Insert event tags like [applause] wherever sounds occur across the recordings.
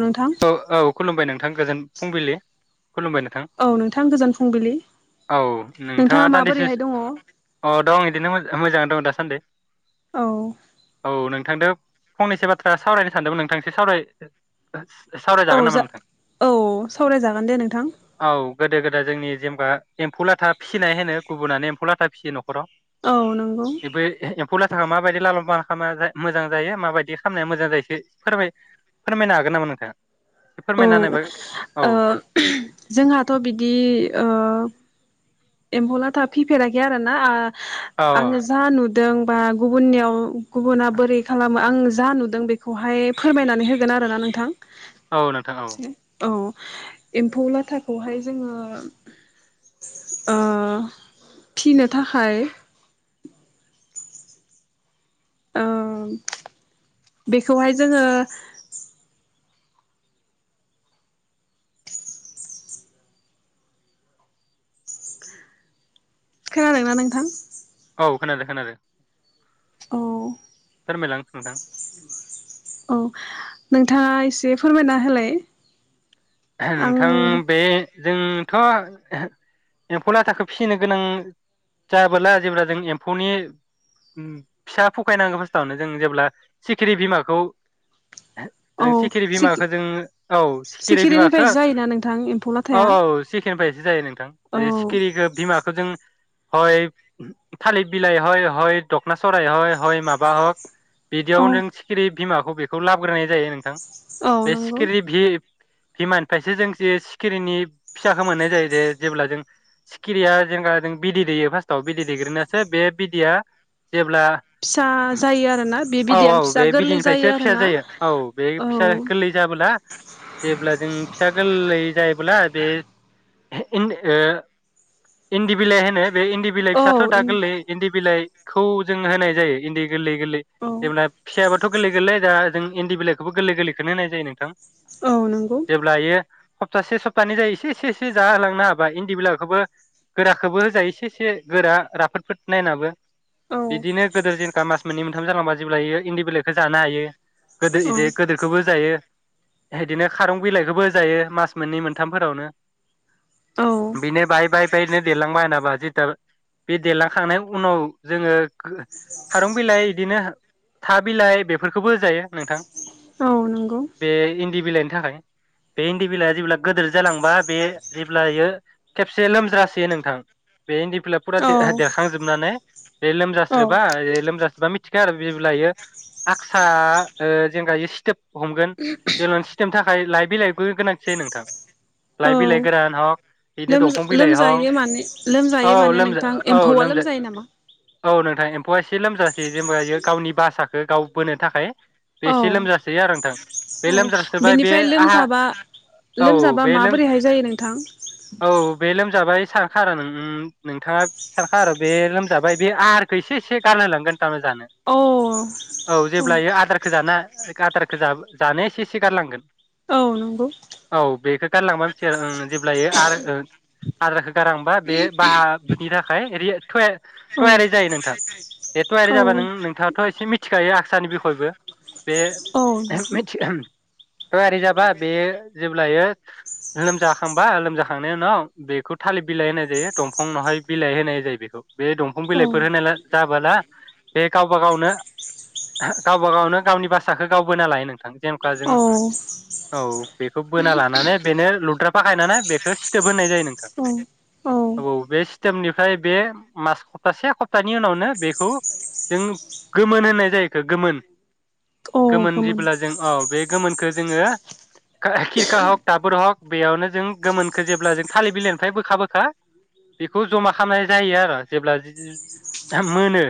नोंथां ओ औ खुलुमबाय नोंथां गोजोन फुंबिलि। खुलुमबाय नोथां औ नोंथां गोजोन फुंबिलि औ नोंथाङा दान्दिसे माबोरैहाय दङ औ अ दं इदिनो मोजा-मोजाङै दं दास सान्दे औ। थांदो फंनैसो बाथ्रा सावरायनो सानदोंमोन नोंथां इसे सावराय [inaudible] औ नामा जा नोंथां औ सावरायजागोन दे नोंथां। औ गोदो गोदाय जोंनि जेमबा एम्फौ लाथा फिसिनाय होनो गुबुनानो एम्फौ ला था फिसियो नख'राव। औ नोंगौ। एमफौ लाथाखौ माबायदि लामोबा हामा जा मोजां जायो माबायदि खालामनाया मोजां जायोसै फोरमाय फोरमायनो हा गोन नामा नोंथाङा? एसे औ फोरमायना होनायबा औ ओ जोंहाथ' बिदि ओ एम्फौलाथा फिफेराखै आरो ना आ औ आङो जा नु दों बा गुबुननियाव गुबुना बोरै खालामो आङो जा नुदों बेखौहाय फोरमायनानै होगोन आरोना नोंथां। औ नोंथां औ औ एम्फौ लाथाखौहाय जोङो ओ फिनो थाखाय ओ बेखौहाय जोङो खोनादोंना नोंथां? औ खोनादो खोनादो। अ फोरमायलां नोथां औ नोंथाङा एसे फोरमायना होलाय आं नोंथां बे जोंथ' एम्फौ लाथाखौ फिसिनो गोनां जाबोला जेब्ला जों एम्फौनि फिसा फखायनांगौ फास्तावनो जों जेब्ला सिखिरि बिमाखौ औ ओ सिखिरि बिमाखौ जों औ बिमाखौ सिखिरिनिफ्राय जायोना नोंथां एम्फौ औ लाथाया औ सिखिरिनिफ्रायसो जायो नोंथां औ बे सिखिरिखो बिमाखो जों हय थालिर बिलाय हय हय [unintelligible] सराय हय हय माबा हक बिदियाव औ नों सिखिरि बिमाखौ बेखौ लाबग्रोनाय जायो नोंथां। औ बे नंगौ सिखिरि भि बिमानिफ्रायसो जों जे सिखिरिनि फिसाखौ मोननाय जायो जे जेब्ला जों सिखिरिया जेंगा जों बिदै दैयो फार्स्टआव बिदै दैग्रोनोनासो बे बिदैया जेब्ला फिसा जायो आरोना बे औ बिदैयानो औ बे फिसा गोरलै जायो बिदैनिफ्रायसो फिसा आरोना जायो औ बे औ फिसा गोरलै जाबोला जेब्ला जों फिसा गोललै जायोब्ला बे इन्द ओ इन्दि बिलाइ होनो बे इन्दि बिलाइ औ फिसाथ' दा गोरलै इन्दि बिलाइ खौ जों होनाय जायो इन्दि गोललै गोललै औ जेब्ला फिसायाबोथ गोललै गोललै दा जों इन्दि बिलाइखौबो गोरलै गोरलैखोनो होनाय जायो नोंथां। औ नंगौ। जेब्ला इयो सप्तासे सप्तानै जायो इसे एसे एसे जाहोलांनो हाबा इन्दि बिलाइखौबो गोराखौबो होजायो इसे एसे गोरा राफोदफोद नायनाबो। औ बिदिनो गोदो जेनका मास मोननै मोनथाम जालांबा जेब्ला इयो इन्दि बिलाइखौ जानो हायो। गोदि औ इदि गोदोरखौबो जायो। होद बिदिनो खारं बिलाइखौबो जायो मास मोननै मोनथामफोरावनो औ बिनो बाय बाय बाय दलांबायना जिताल बे देरलांखांनाय उनाव जोङो गो खारं बिलाइ इदिनो था बिलाइ बेफोरखौबो होजायो नोंथां औ नंगौ बे इन्दि बिलाइनि थाखाय बे इन्दि बिलाइआ जेब्ला गोदोर जालांबा बे जेब्ला इयो खेबसे लोमजासो नोंथां बे इन्दिफुला फुरा औ देरखांजोबनानै बे औ लोमजास्रोबा लोमजासोबा थिखा आरो बे लायो आक्सा ओ जें गायो सिथोब हमगोन बे लन्स नि थाखाय लाइ बिलाइ निबो गोनांथि जायो नोंथां औ लाइ बिलाइ गोरान हक बिदिनो दंफां बिलाइ हक लोमजायो माने औ लोमजायो माने लोमजा नोंथां औ एम्फौआ लोमजा लोमजायो नामा औ नोंथां‌ एम्फौआ एसे लोमजाासै जेनबाायो गावनि बासाखौ गाव बोनो थाखाय बे एसे औ लोमजासै आरो नोंथां बे औ लोमजासे बेनिफ्राय लोमजाबा लोमजाबा बे लोम माबोरैहाय जायो नोंथां? जाबाय सानखा आरो नोंथाङा सानखा आरो बे लोमजाबाय बे आहारखौ एसे एसे गारहो लांगोन जानो औ औ जेब्ला आदारखौ जाना [unintelligible] जानो एसे खारलांगोन औ नंगौ गारलांबा बिथि जेब्ला इयो आहारखो आदारखो गारा होमबा बे बाहानि थाखाय औ थयार-थयारि जायो नोंथां बे थयारि औ जाबा नों नोंथाङाथ' एसे मिथिखायो [unintelligible] बयबो बे औ [unintelligible] थयारि जाबा बेयो जेब्ला जायो लोमजाखांबा लोमजाखांनायनि उनाव बेखौ थालिर बिलाइ होनाय जायो दंफां उनावहाय बिलाइ होनाय जायो बेखौ बे दंफां बिलाइफोर होनाय जाबोला बे गाव गावबा गावनो गावबा गावनो गावनि भाषाखौ गावबोना लायो नों [unintelligible] औ औ बेखौ बोना लानानै बेनो लुद्राफाखाय ना बेखौ सिथोब होननाय जायो नोंथां औ औ बे [unintelligible] मास सप्तासे सप्तानि उनावनो बेखौ जों गोमोन [unintelligible] गोमोन जेब्ला जों औ बे गोमोन खो जोङो खिरखा हक दाबुर हक बेयावनो जों गोमोनखौ जेब्ला जों थालिर बिलाइनिफ्राय बोखा बोखा बेखौ जमा खालामनाय जायो आरो जेब्ला मोनो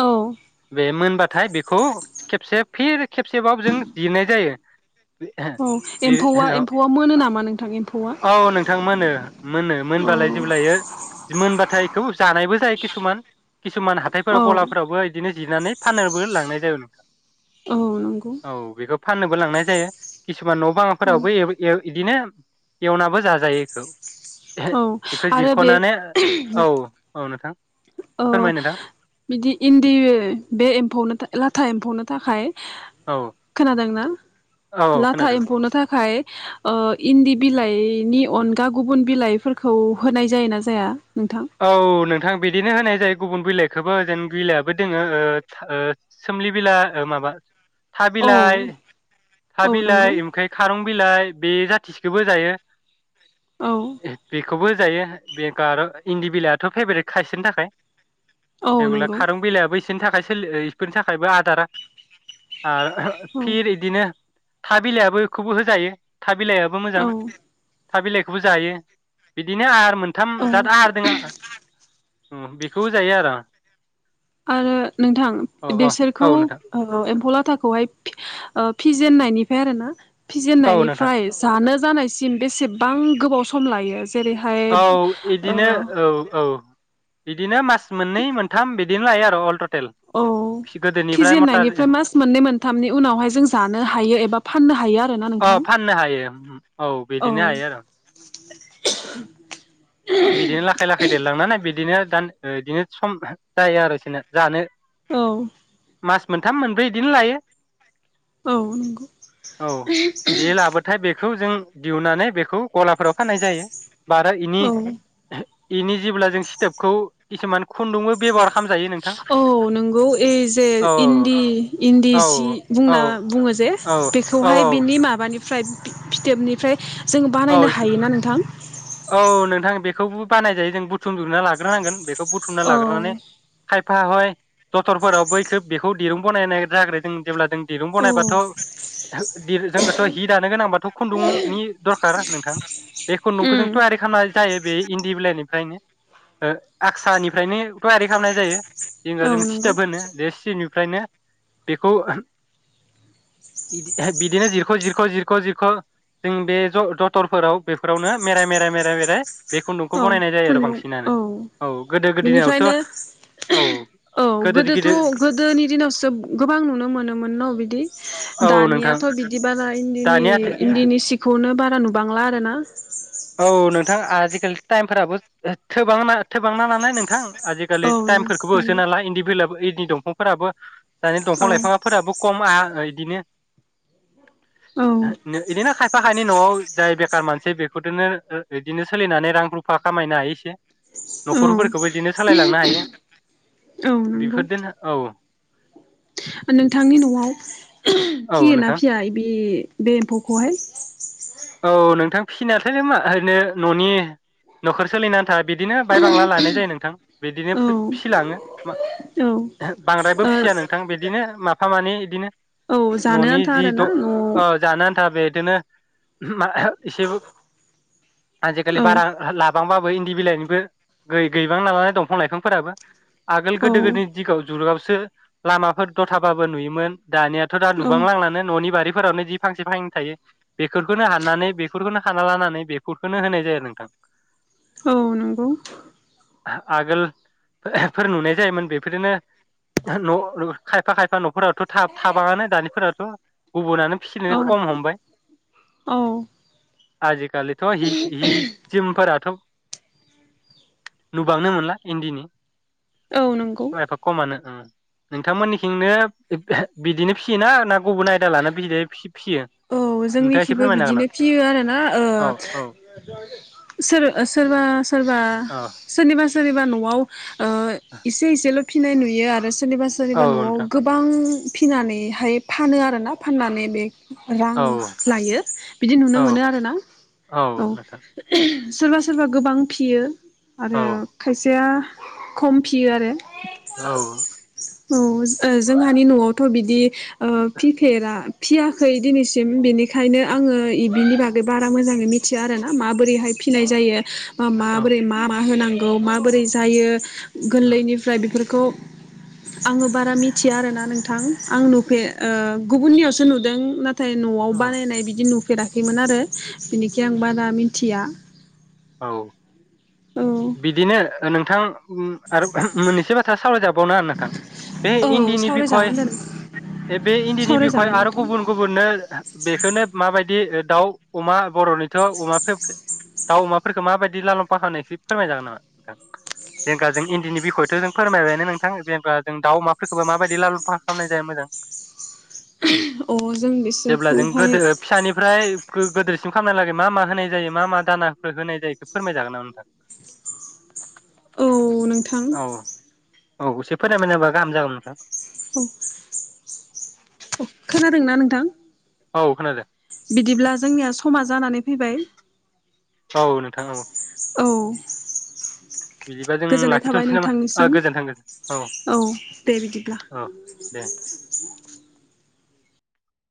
औ बे मोनबा थाय बेखौ खेबसे फिर खेबसेबाव जों जिरनाय जायो औ बे एम्फौआ एम्फौआ मोनो नामा नोंथां एम्फौआ औ नोंथां मोनो मोनो औ मोनबालाय जेल्बायो मोनबाथाय बेखौ जानायबो जायो किसुमान किसुमान औ हाथायफोराव गलाफोरावबो बिदिनो जिरनानै फाननोबो लांनाय [unintelligible] औ नंगौ औ बेखौ फाननोबो लांनाय जायो किसुमान न औ बांफोरावबो एवो ए बिदिनो एवनाबो जाजायो औ बेखौ आरो बे जिरख'नानै औ औ नोंथां अ फोरमाय नोंथां बिदि इन्दि बे एम्फौ लाथा एम्फौनो थाखाय औ खोनादों ना औ लाथा खोनादों एम्फौनो थाखाय ओ इन्दि बिलाइनि अनगा गुबुन बिलाइफोर खौ होनाय जायो ना जाया औ नोंथां बिदिनो होनाय जायो गुबुन बिलाइखौबो जेन बिलायाबो दोङो ओ ओ‌ सोमलि बिलाइ ओ माबा औ थाबिलाइ औ थाबिलाइ नंगौ ओमफ्राय खारं बिलाय बे जाथिसेखौबो जायो औ बेखौबो जायो [unintelligible] इन्दि बिलाइयाथ फेभरेट खा बिसोरनि थाखाय औ [unintelligible] नंगौ खारं बिलाइयाबो इसो रनि थाखाय सोलि ओ इफोरनि थाखायबो आदार आरो औ फिर इदिनो था बिलाइयाबो बेखौबो होजायो था बिलाइयाबो मोजां औ था बिलाइखौबो जायो बिदिनो आरो मोन मोनथाम औ जाद हारदों बेखौबो जायो आरो आरो नोंथां औ औ बेसोरखौ औ नोंथां ओ एम्फौलाथा खौहाय ओ फिजेेननायनिफ्राय आरो ना। औ नोंथां फिजेननायनिफ्राय जानो जानायसिम बेसेबां गोबाव सम लायो। जेरैहाय औ ओ इदिनो औ औ। बिदिनो मास मोननै मोनथाम बिदिनो लायो आरो अल ट औ फिजेनन्नायनिफ्राय मास मोननै मोनथामनि उनावहाय जों जानो हायो एबा फाननो हायो आ अ फाननो हायो औ बिदिनो हायो आरो बिदिनो लाखै लाखै देरलांनानै बिदिनो [unintelligible] बिदिनो सम जायो आरो बिदिनो जानो। औ। मास मोनथाम मोनब्रै बिदिनो लायो। औ नंगौ औ बे लाबोथाय बे बेखौ जों दिहुननानै बेखौ गलाफोराव फाननाय जायो बारा इनि औ इनि जेबोला जों सिथोबखौ खिसुमान खुन्दुंबो बेबवार खा औ नोंगौ ओइ जे औ इन्दि इन्दि औ सि औ बुंना बुङो जे औ बेखौहाय बिनि औ माब बानिफ्राय फिथोबनिफ्राय जों औ बानायनो औ हायोना नोंथां? औ नोंथां बेखौबो बानाय जायो जों बुथुम जुबना लाग्रोनांगोन बे खौ बुथुमना औ लाग्रोनानै खाय फा हय जथरफोराव बैखो बेखौ दिरुं बानायनाय जाग्रोदों जेब्ला जों दिरुं औ बनायबाथ जोंङोथ हि दानो गोनांबाथ खुन्दुंनि दरखार नोंथां बे खुन्दुंखौ जों उम थयारि खामनाय जायो बे इन्दि बिलाइनिफ्रायनो आक्सानिफ्रायनो थयारि खामनाय जायो जेनेबा औ जों नंगौ सिथोब होनो बे सिनिफ्रायनो बेखौ बिदिनो जिरख जिरख जिरख जिरख जों बे जथरफोराव बेफोरावनो मेराय मेराय मेराय मेराय बे खुन्दुंखौ औ बनायनाय जायो आरो खुन्दुं औ बांसिनानो औ गोदो गोदोनायावसो बिनिफ्रायनो औ औ गोदो गोदोथ गिदिर गोदोनि दिनावसो गोबां नुनो मोनो मोन न बिदि औ नोंथां दानियाथ बिदि बारा इन्दिनि दानिया इन्दिनि सिखौ नो बारा नुबांला आरो ना? औ नोंथां आजिखालि टाइमफोराबो थोबांना थोबांना नालाय नोंथां आजिखालि औ टाइमफोरखौबो होसोनाला इन्दि भिलाबो इ नि दंफांफोराबो दानि औ दंफां लाइफाङा फोराबो खम आ दिनो औ इदिनो खायफा खायनै न'आव जाय बेक मानसि बे खौदोनो ओ इदिनो सोलिनानै रां रुफा खामायनो हायो इसे औ न'खरफोरखौबो बिदिनो सालायलांनो हायो औ नंगौ बेफोरदोनो औ। नोंथांनि न'आव औ फियोना नोंथां फिया इबे बे एम्फौखौहाय औ नोंथां फिसिनाथायालाय मा ओरैनो न'नि न'खर सोलिनो आनथा बिदिनो बाहाय बांला लानाय जायो नोंथां। बिदिनो औ फो फिसिलाङो औ बांद्रायबो ओ फिसिया नोंथां बिदिनो माफा मानि दिनै औ जानो न'नि आन्था जि आरोना द न'आव ओ जानो आन्था बे बिदिनो मा? इसेबो आजिखालि औ बारा बांबाबो इन्दि बिलाइनिबो गै-गैबां नालाय दंफां लाइफांफोराबो आगोल गोदो औ गोदिनि दिगाव जुरगाव सो लामाफोर दथाबाबो नुयोमोन। दानियाथ' दा औ नुबांलांलानो न'नि बारि फोरावनो जि फांसे फांनै थायो बे बेफोरखौनो हानानानै बेफोरखौनो खाना लानानै बेफोरखौनो होनाय जायो नोंथां। औ नंगौ। आगोल फोर नुनाय जायोमोन बेफोरनो न' खायफा खायफा न' फोरावथ' थाब-थाबाङानो दानिफोरा हो गुबुनानो फिसिनो औ कम हमबाय औ। आजिखालिथ' हिसि हि जोमफोराथ' नुबांनो मोनला इन्दिनि औ नंगौ एफा खमानो ओं नोंथांमोननिथिंनो बिदिनो फिसियोना ना गुबुन आयदा लाना बिदिनो फिस-फिसियो? औ जोंनिखिबो बिदिनो फियो आरोना ओ औ औ सोर सोरबा सोरबा औ सोरनिबा सोरनिबा न'आव ओ इसे इसेल' फिनाय नुयो आरो सोरनिबा औ सोरनिबा न'आव नोंथां गोबां फिनानैहाय फानो आरोना फाननानै बे रां औ लायो बिदि नुनो औ मोनो आरोना औ सोरबा सोरबा गोबां फियो औ आरो खायसेया खम फियो आरो औ औ ओ जोंहानि न'आवथ' बिदि ओ फिफेरा फिसिया खै दिनैसिम बेनिखायनो आङो इबिनि बागै बारा मोजाङै मिथिया आरो ना माबोरैहाय फिसिनाय जायो मा औ माबोरै मा मा होनांग औ माबोरै जायो औ गोरलैनिफ्राय बेफोरखौ खौ आङो बारा मिथिया आरोना नोंथां आं नुफेर ओ गुबुननियावसो नुदों नाथाय न'आव बानायनाय बिदि नु होफेराखैमोन आरो बिनिखाय आं बारा मिथिया औ औ बिदिनो नों नोंथां आरो मोननैसो बाथा सावरायजा बावनो नोथां बे औ इन्दिनि बिखय सावरायजागोन दे बे इन्दिनि बिखय सावरायजागोन आरो नोंथां गुबुन गुबुननो बेखौनो माबायदि दाउ अमा बर'निथ' अमा फेब्रेद दाउ अमा फोरखो माबायदि लाललाम्फा होनो फोरमाय जागोन नामा नोंथां जेंगाजों इन्दिनि बिखयथ' जों फोरमायबायनो नोंथां बेेंगाजों दाउ अमाफोरखौबो माबायदि लाललाम्फा खालामनाय जायो मोजां अ जों [inaudible] जेब्ला जों बिसोरखौहाय गोदो फिसानिफ्राय गोदोरसिम फाननाया लागै मा मा होनाय जायो मा मा दाना होनाय जायो फोरमायजागोन नामा नोंथां? औ नोंथां औ औ एसे फोरमायना होबा गाहाम जागोन नोंथां औ औ खोनादोंना नोंथां औ खोनादो बिदिब्ला जोंनिया समा जानानै फैबाय औ नोथां औ औ बिदिबा जों गोजोननाय थाबाय लाखिथ'नोसै नामा ओ नोंथांनिसिम गोजोनथों औ दे बिदिब्ला औ दे